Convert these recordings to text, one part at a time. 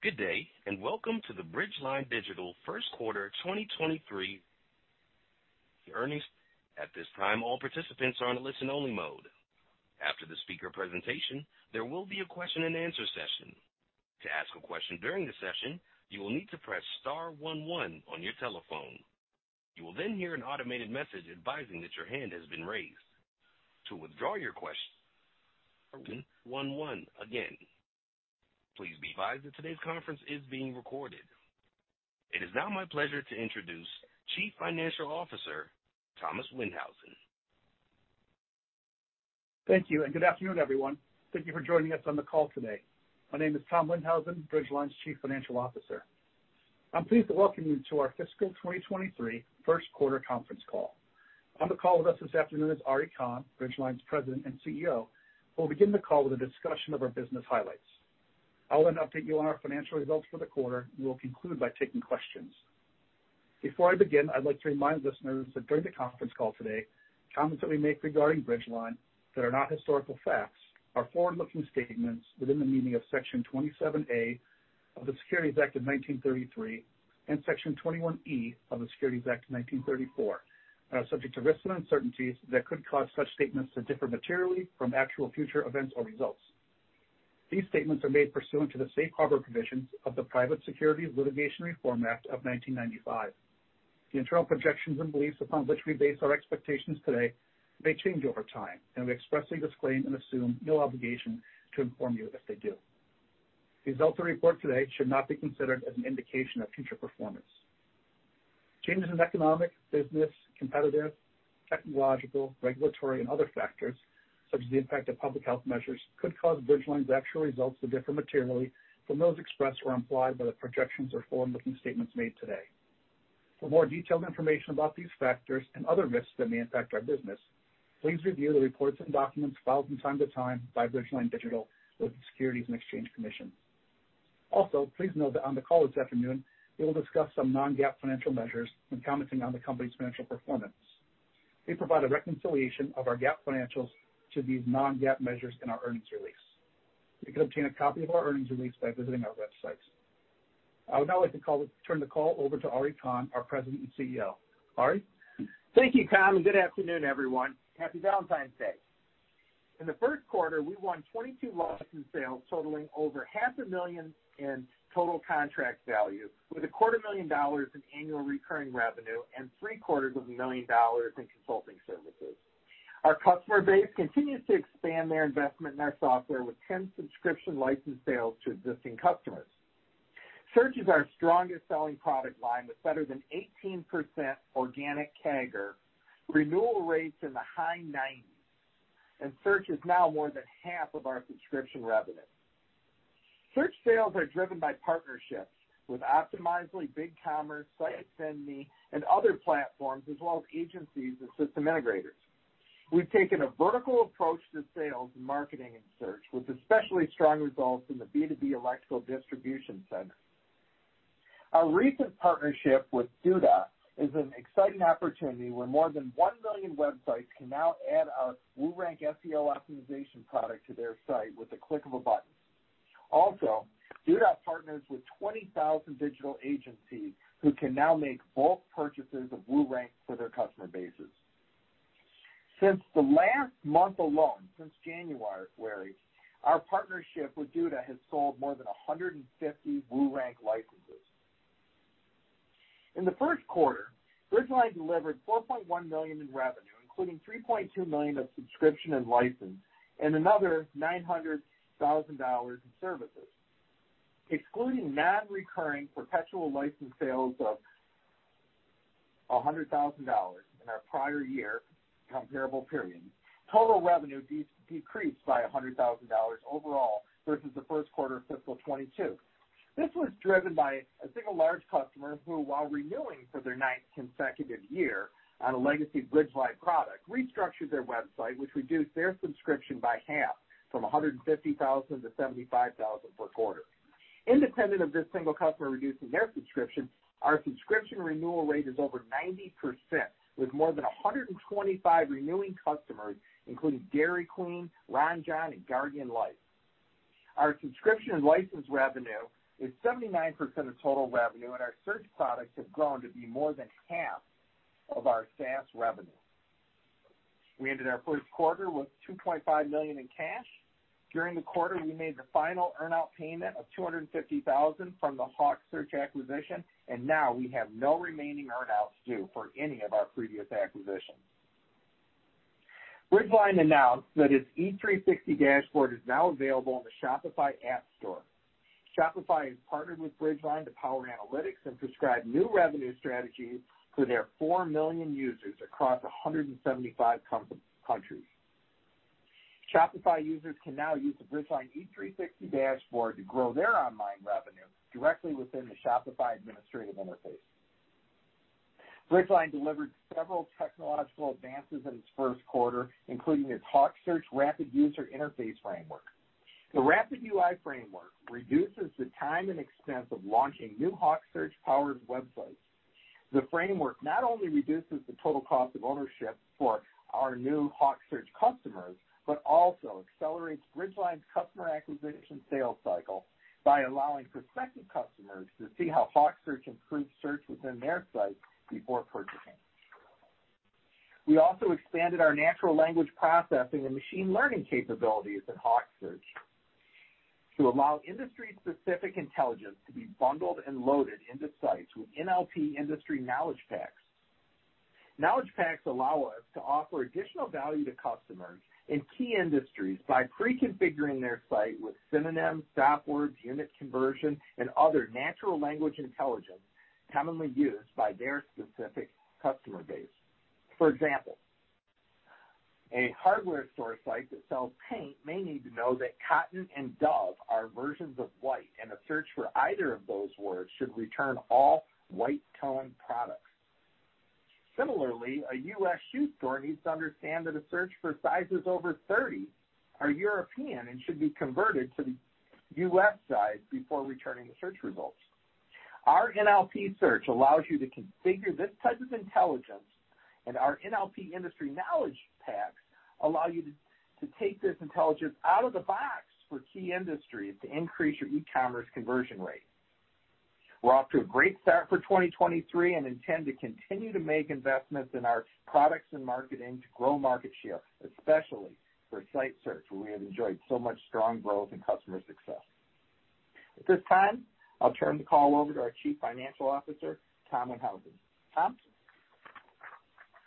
Good day, welcome to the Bridgeline Digital First Quarter 2023 Earnings. At this time, all participants are on a listen-only mode. After the speaker presentation, there will be a question-and-answer session. To ask a question during the session, you will need to press star one one on your telephone. You will then hear an automated message advising that your hand has been raised. To withdraw your question, press one one again. Please be advised that today's conference is being recorded. It is now my pleasure to introduce Chief Financial Officer, Thomas Windhausen. Thank you, good afternoon, everyone. Thank you for joining us on the call today. My name is Tom Windhausen, Bridgeline's Chief Financial Officer. I'm pleased to welcome you to our fiscal 2023 first quarter conference call. On the call with us this afternoon is Ari Kahn, Bridgeline's President and CEO, who will begin the call with a discussion of our business highlights. I will then update you on our financial results for the quarter. We will conclude by taking questions. Before I begin, I'd like to remind listeners that during the conference call today, comments that we make regarding Bridgeline that are not historical facts are forward-looking statements within the meaning of Section 27A of the Securities Act of 1933 and Section 21E of the Securities Act of 1934, and are subject to risks and uncertainties that could cause such statements to differ materially from actual future events or results. These statements are made pursuant to the safe harbor provisions of the Private Securities Litigation Reform Act of 1995. The internal projections and beliefs upon which we base our expectations today may change over time, and we expressly disclaim and assume no obligation to inform you if they do. The results we report today should not be considered as an indication of future performance. Changes in economic, business, competitive, technological, regulatory, and other factors, such as the impact of public health measures, could cause Bridgeline's actual results to differ materially from those expressed or implied by the projections or forward-looking statements made today. For more detailed information about these factors and other risks that may impact our business, please review the reports and documents filed from time to time by Bridgeline Digital with the Securities and Exchange Commission. Also, please note that on the call this afternoon, we will discuss some non-GAAP financial measures when commenting on the company's financial performance. We provide a reconciliation of our GAAP financials to these non-GAAP measures in our earnings release. You can obtain a copy of our earnings release by visiting our website. I would now like to turn the call over to Ari Kahn, our President and CEO. Ari? Thank you, Tom, and good afternoon, everyone. Happy Valentine's Day. In the first quarter, we won 22 license sales totaling over half a million in total contract value, with a quarter million dollars in annual recurring revenue and three-quarters of a million dollars in consulting services. Our customer base continues to expand their investment in our software with 10 subscription license sales to existing customers. Search is our strongest selling product line with better than 18% organic CAGR, renewal rates in the high nineties, and search is now more than half of our Subscription revenue. Search sales are driven by partnerships with Optimizely, BigCommerce, Sitecore, and other platforms, as well as agencies and system integrators. We've taken a vertical approach to sales and marketing in search, with especially strong results in the B2B electrical distribution sector. Our recent partnership with Duda is an exciting opportunity where more than 1 million websites can now add our WooRank SEO optimization product to their site with the click of a button. Duda partners with 20,000 digital agencies who can now make bulk purchases of WooRank for their customer bases. Since the last month alone, since January, our partnership with Duda has sold more than 150 WooRank licenses. In the first quarter, Bridgeline delivered $4.1 million in revenue, including $3.2 million of Subscription and License, and another $900,000 in services. Excluding non-recurring perpetual license sales of $100,000 in our prior year comparable period, total revenue decreased by $100,000 overall versus the first quarter of fiscal 2022. This was driven by a single large customer who, while renewing for their 9th consecutive year on a legacy Bridgeline product, restructured their website, which reduced their subscription by half from $150,000 to $75,000 per quarter. Independent of this single customer reducing their subscription, our subscription renewal rate is over 90%, with more than 125 renewing customers, including Dairy Queen, Ron Jon, and Guardian Life. Our Subscription and License revenue is 79% of total revenue, and our search products have grown to be more than half of our SaaS revenue. We ended our first quarter with $2.5 million in cash. During the quarter, we made the final earnout payment of $250,000 from the HawkSearch acquisition, and now we have no remaining earnouts due for any of our previous acquisitions. Bridgeline announced that its eCommerce360 dashboard is now available in the Shopify App Store. Shopify has partnered with Bridgeline to power analytics and prescribe new revenue strategies to their 4 million users across 175 countries. Shopify users can now use the Bridgeline eCommerce360 dashboard to grow their online revenue directly within the Shopify administrative interface. Bridgeline delivered several technological advances in its first quarter, including its HawkSearch Rapid User Interface Framework. The Rapid UI framework reduces the time and expense of launching new HawkSearch-powered websites. The framework not only reduces the total cost of ownership for our new HawkSearch customers, but also accelerates Bridgeline's customer acquisition sales cycle by allowing prospective customers to see how HawkSearch improves search within their site before purchasing. We also expanded our natural language processing and machine learning capabilities in HawkSearch to allow industry-specific intelligence to be bundled and loaded into sites with NLP industry knowledge packs. Knowledge packs allow us to offer additional value to customers in key industries by pre-configuring their site with synonyms, stop words, unit conversion, and other natural language intelligence commonly used by their specific customer base. For example, a hardware store site that sells paint may need to know that cotton and dove are versions of white, and a search for either of those words should return all white-toned products. Similarly, a U.S. shoe store needs to understand that a search for sizes over 30 are European and should be converted to the U.S. size before returning the search results. Our NLP search allows you to configure this type of intelligence, and our NLP industry knowledge packs allow you to take this intelligence out of the box for key industries to increase your e-commerce conversion rate. We're off to a great start for 2023 and intend to continue to make investments in our products and marketing to grow market share, especially for site search, where we have enjoyed so much strong growth and customer success. At this time, I'll turn the call over to our Chief Financial Officer, Tom Windhausen. Tom?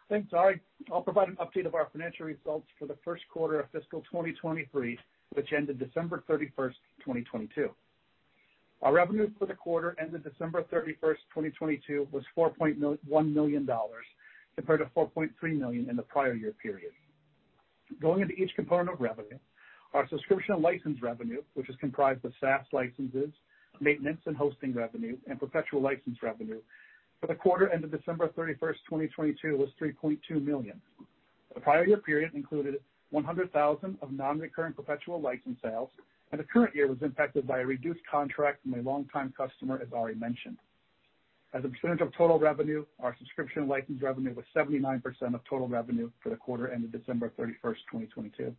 Thanks, Ari. I'll provide an update of our financial results for the first quarter of fiscal 2023, which ended December 31st, 2022. Our revenues for the quarter ended December 31st, 2022, was $4.1 million compared to $4.3 million in the prior year period. Going into each component of revenue, our Subscription and License revenue, which is comprised of SaaS licenses, maintenance, and hosting revenue, and perpetual license revenue for the quarter ended December 31st, 2022, was $3.2 million. The prior year period included $100,000 of non-recurring perpetual license sales, and the current year was impacted by a reduced contract from a longtime customer, as Ari mentioned. As a percentage of total revenue, our Subscription and License revenue was 79% of total revenue for the quarter ended December 31st, 2022.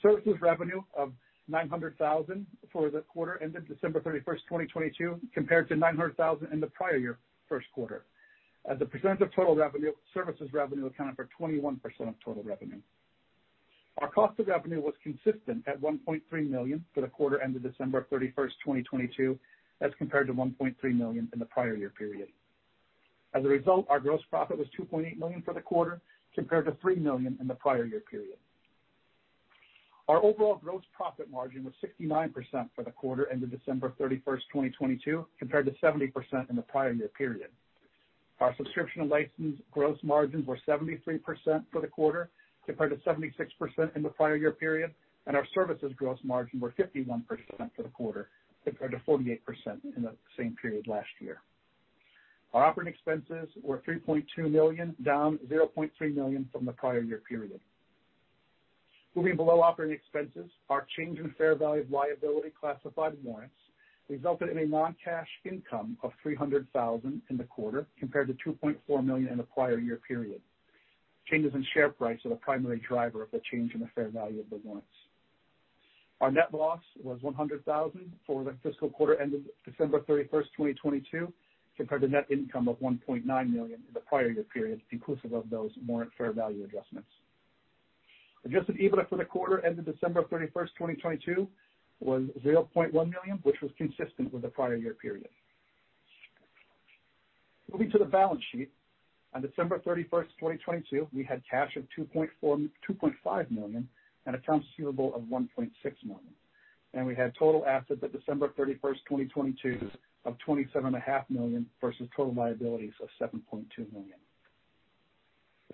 Services revenue of $900,000 for the quarter ended December 31, 2022, compared to $900,000 in the prior year first quarter. As a percent of total revenue, services revenue accounted for 21% of total revenue. Our cost of revenue was consistent at $1.3 million for the quarter ended December 31, 2022, as compared to $1.3 million in the prior year period. As a result, our gross profit was $2.8 million for the quarter, compared to $3 million in the prior year period. Our overall gross profit margin was 69% for the quarter ended December 31st, 2022, compared to 70% in the prior year period. Our Subscription and License gross margins were 73% for the quarter, compared to 76% in the prior year period, and our services gross margin were 51% for the quarter, compared to 48% in the same period last year. Our operating expenses were $3.2 million, down $0.3 million from the prior year period. Moving below operating expenses, our change in fair value of liability classified warrants resulted in a non-cash income of $300,000 in the quarter, compared to $2.4 million in the prior year period. Changes in share price are the primary driver of the change in the fair value of the warrants. Our net loss was $100,000 for the fiscal quarter ended December 31st, 2022, compared to net income of $1.9 million in the prior year period, inclusive of those warrant fair value adjustments. Adjusted EBITDA for the quarter ended December 31, 2022, was $0.1 million, which was consistent with the prior year period. Moving to the balance sheet, on December 31, 2022, we had cash of $2.4 million-$2.5 million and accounts receivable of $1.6 million. We had total assets at December 31st, 2022, of $27.5 million versus total liabilities of $7.2 million.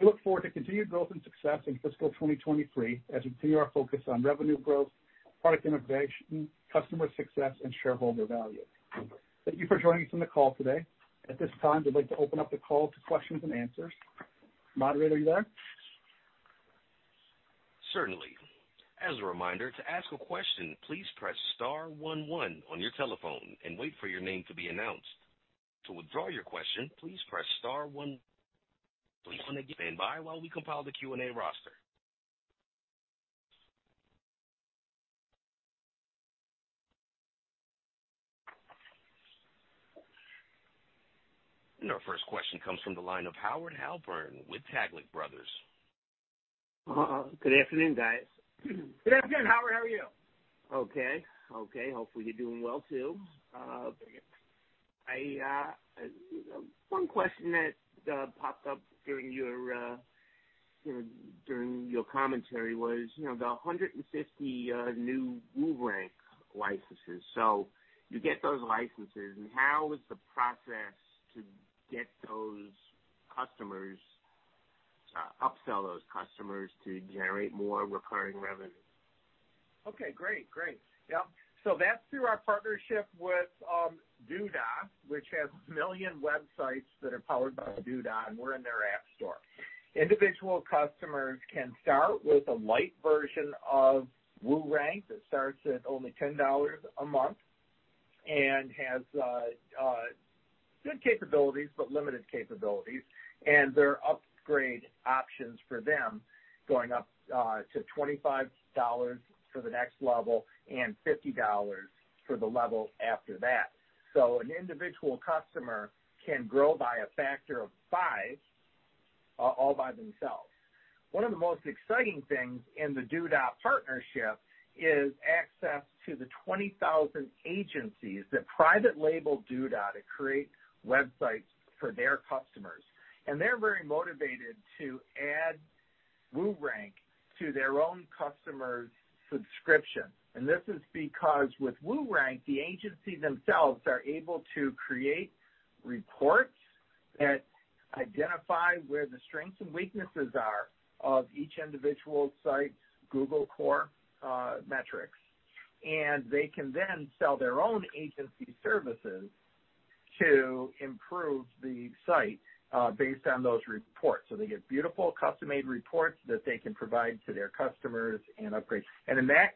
We look forward to continued growth and success in fiscal 2023 as we continue our focus on revenue growth, product innovation, customer success, and shareholder value. Thank you for joining us on the call today. At this time, we'd like to open up the call to questions and answers. Moderator, are you there? Certainly. As a reminder, to ask a question, please press star one one on your telephone and wait for your name to be announced. To withdraw your question, please press star one. Please standby while we compile the Q&A roster. Our first question comes from the line of Howard Halpern with Taglich Brothers. Good afternoon, guys. Good afternoon, Howard. How are you? Okay. Okay. Hopefully, you're doing well too. I, one question that popped up during your, you know, during your commentary was, you know, the 150 new WooRank licenses. You get those licenses, and how is the process to get those customers, upsell those customers to generate more recurring revenue? Okay, great. Yeah. That's through our partnership with Duda, which has 1 million websites that are powered by Duda, and we're in their app store. Individual customers can start with a light version of WooRank that starts at only $10 a month and has good capabilities but limited capabilities. There are upgrade options for them going up to $25 for the next level and $50 for the level after that. An individual customer can grow by a factor of five all by themselves. One of the most exciting things in the Duda partnership is access to the 20,000 agencies that private label Duda to create websites for their customers. They're very motivated to add WooRank to their own customer's subscription. This is because with WooRank, the agency themselves are able to create reports that identify where the strengths and weaknesses are of each individual site's Google core metrics. They can then sell their own agency services to improve the site, based on those reports. They get beautiful custom-made reports that they can provide to their customers and upgrade. In that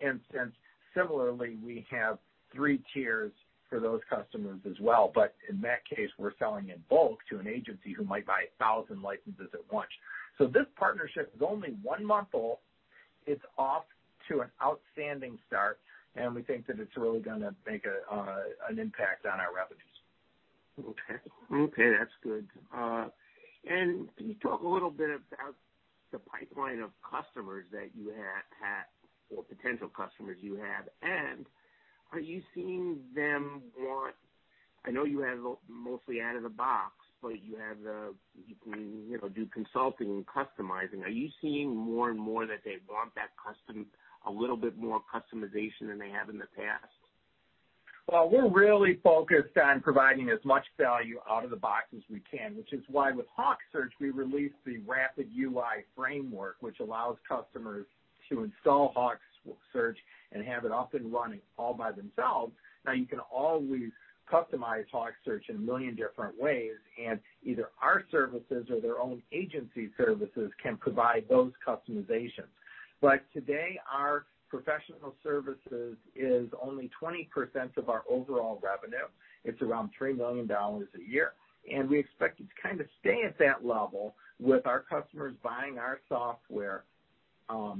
instance, similarly, we have three tiers for those customers as well. In that case, we're selling in bulk to an agency who might buy 1,000 licenses at once. This partnership is only one month old. It's off to an outstanding start, and we think that it's really gonna make an impact on our revenues. Okay. Okay, that's good. Can you talk a little bit about the pipeline of customers that you have or potential customers you have? I know you have mostly out of the box, but you can, you know, do consulting and customizing. Are you seeing more and more that they want that a little bit more customization than they have in the past? Well, we're really focused on providing as much value out of the box as we can, which is why with HawkSearch, we released the Rapid UI framework, which allows customers to install HawkSearch and have it up and running all by themselves. You can always customize HawkSearch in a million different ways, and either our services or their own agency services can provide those customizations. Today, our professional services is only 20% of our overall revenue. It's around $3 million a year, and we expect it to kind of stay at that level with our customers buying our software,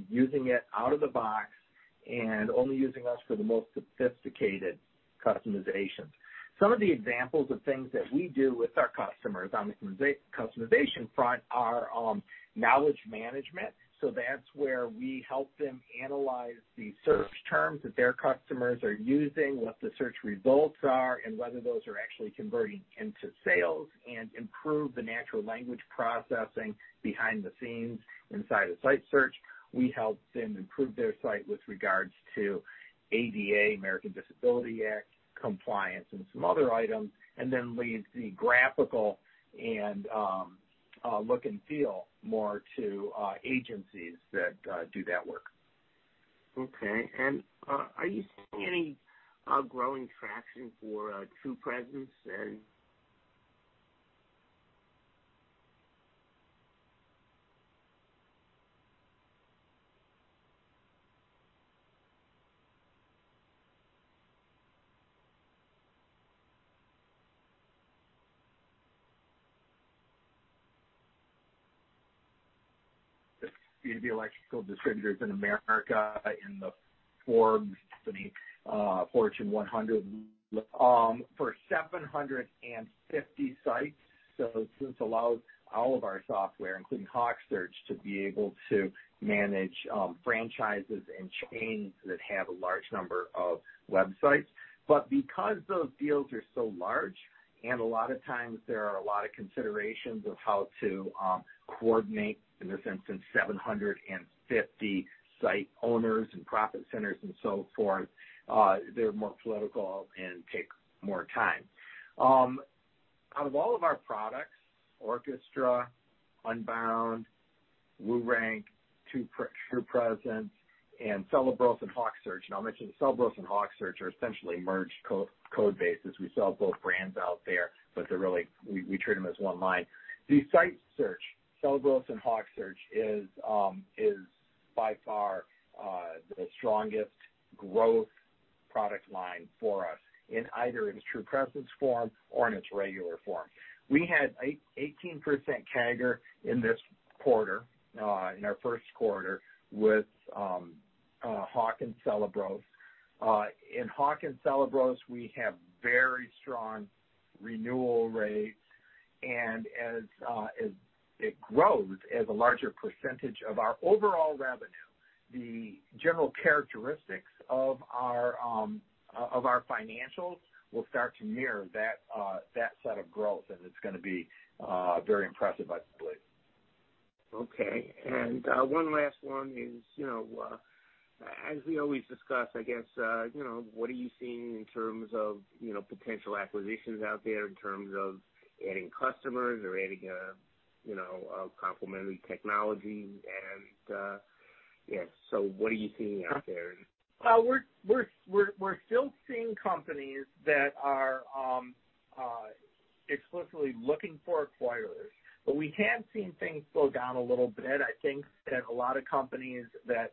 using it out of the box and only using us for the most sophisticated customizations. Some of the examples of things that we do with our customers on the customization front are, knowledge management. That's where we help them analyze the search terms that their customers are using, what the search results are, and whether those are actually converting into sales and improve the natural language processing behind the scenes inside of site search. We help them improve their site with regards to ADA, Americans with Disabilities Act, compliance and some other items, and then leave the graphical and look and feel more to agencies that do that work. Okay. Are you seeing any, growing traction for, TruPresence? The electrical distributors in America in the Forbes company, Fortune 100, for 750 sites. This allows all of our software, including HawkSearch, to be able to manage franchises and chains that have a large number of websites. Because those deals are so large and a lot of times there are a lot of considerations of how to coordinate, in this instance, 750 site owners and profit centers and so forth, they're more political and take more time. Out of all of our products, Orchestra, Unbound, WooRank, TruPresence, and Celebros and HawkSearch. I mentioned Celebros and HawkSearch are essentially merged co-code bases. We sell both brands out there, but they're really, we treat them as one line. The site search, Celebros and HawkSearch is by far, the strongest growth product line for us in either its TruPresence form or in its regular form. We had 18% CAGR in this quarter, in our first quarter with, Hawk and Celebros. In Hawk and Celebros, we have very strong renewal rates. As it grows as a larger percentage of our overall revenue, the general characteristics of our, of our financials will start to mirror that set of growth, and it's gonna be, very impressive, I believe. Okay. One last one is, you know, as we always discuss, I guess, you know, what are you seeing in terms of, you know, potential acquisitions out there in terms of adding customers or adding a, you know, a complementary technology and, Yes. What are you seeing out there? We're still seeing companies that are explicitly looking for acquirers. We have seen things slow down a little bit. I think that a lot of companies that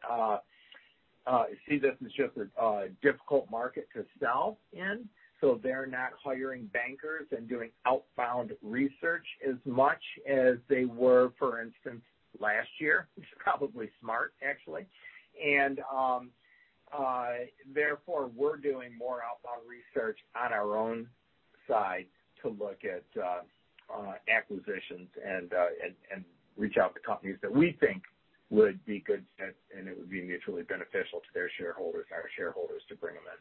see this as just a difficult market to sell in, so they're not hiring bankers and doing outbound research as much as they were, for instance, last year. Which is probably smart, actually. Therefore, we're doing more outbound research on our own side to look at acquisitions and reach out to companies that we think would be good fits and it would be mutually beneficial to their shareholders and our shareholders to bring them in.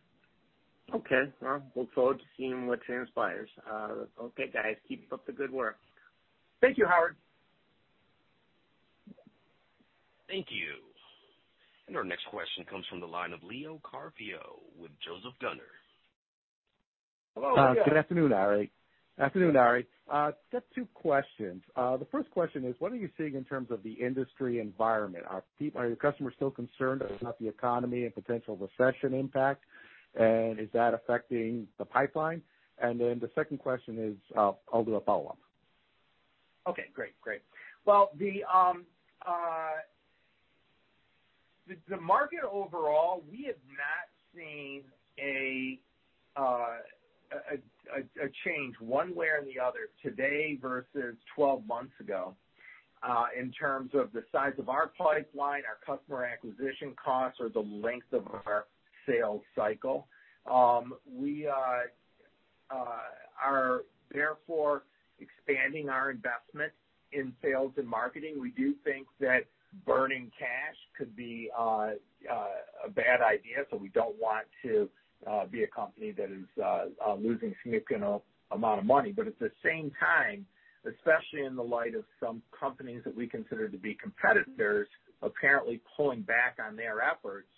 Okay. Well, look forward to seeing what transpires. Okay, guys, keep up the good work. Thank you, Howard. Thank you. Our next question comes from the line of Leo Carpio with Joseph Gunnar. Hello, Leo. Good afternoon, Ari. Afternoon, Ari. Just two questions. The first question is, what are you seeing in terms of the industry environment? Are your customers still concerned about the economy and potential recession impact? Is that affecting the pipeline? The second question is... I'll do a follow-up. Okay, great. Great. Well, the market overall, we have not seen a change one way or the other today versus 12 months ago in terms of the size of our pipeline, our customer acquisition costs or the length of our sales cycle. We are therefore expanding our investment in sales and marketing. We do think that burning cash could be a bad idea, so we don't want to be a company that is losing significant amount of money. At the same time, especially in the light of some companies that we consider to be competitors, apparently pulling back on their efforts,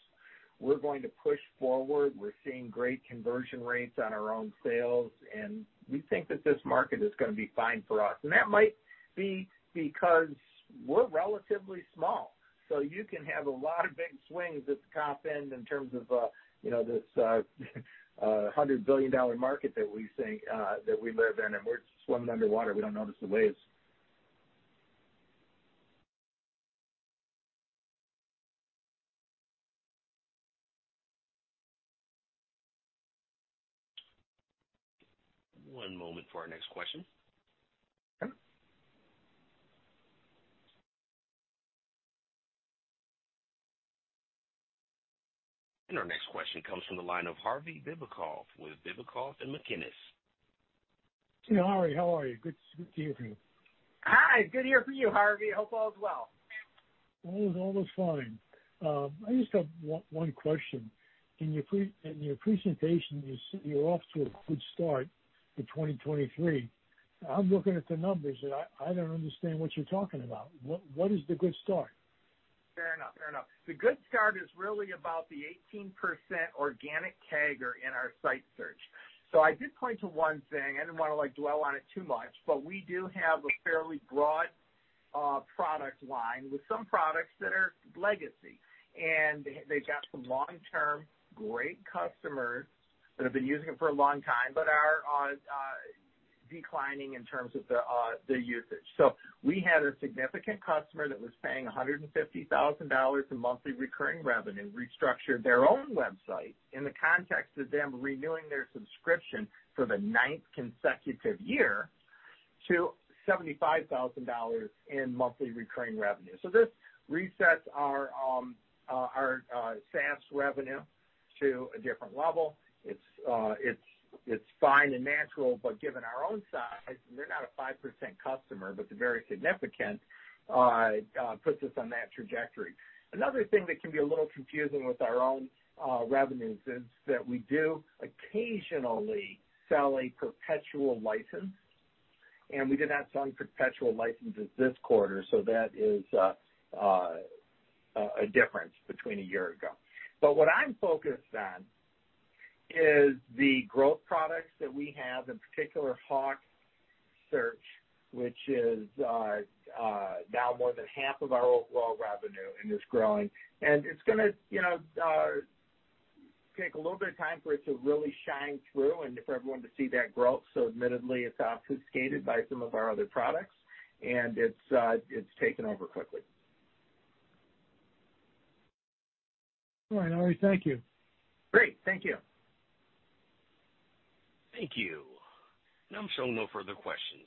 we're going to push forward. We're seeing great conversion rates on our own sales, and we think that this market is gonna be fine for us. That might be because we're relatively small, so you can have a lot of big swings at the top end in terms of, you know, this, $100 billion market that we think, that we live in, and we're swimming underwater. We don't notice the waves. One moment for our next question. Sure. Our next question comes from the line of Harvey Bibicoff with Bibicoff + MacInnis. Hey, Ari, how are you? Good to hear from you. Hi, good to hear from you, Harvey. Hope all is well. All is almost fine. I just have one question. In your presentation, you're off to a good start for 2023. I'm looking at the numbers, and I don't understand what you're talking about. What is the good start? Fair enough. Fair enough. The good start is really about the 18% organic CAGR in our site search. I did point to one thing. I didn't wanna like dwell on it too much, but we do have a fairly broad product line with some products that are legacy. They've got some long-term great customers that have been using them for a long time but are declining in terms of the usage. We had a significant customer that was paying $150,000 in monthly recurring revenue, restructured their own website in the context of them renewing their subscription for the ninth consecutive year to $75,000 in monthly recurring revenue. This resets our SaaS revenue to a different level. It's fine and natural. Given our own size, they're not a 5% customer. They're very significant. Puts us on that trajectory. Another thing that can be a little confusing with our own revenues is that we do occasionally sell a perpetual license. We did not sell any perpetual licenses this quarter. That is a difference between a year ago. What I'm focused on is the growth products that we have, in particular HawkSearch, which is now more than half of our overall revenue and is growing. It's gonna, you know, take a little bit of time for it to really shine through and for everyone to see that growth. Admittedly, it's obfuscated by some of our other products. It's taken over quickly. All right, Ari. Thank you. Great. Thank you. Thank you. Now I'm showing no further questions.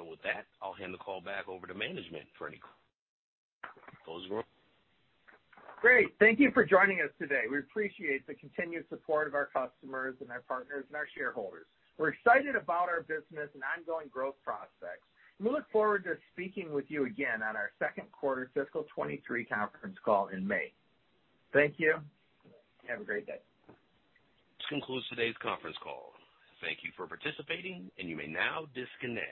With that, I'll hand the call back over to management for any closing remarks. Great. Thank you for joining us today. We appreciate the continued support of our customers and our partners and our shareholders. We're excited about our business and ongoing growth prospects. We look forward to speaking with you again on our Second Quarter Fiscal 2023 Conference Call in May. Thank you. Have a great day. This concludes today's conference call. Thank you for participating. You may now disconnect.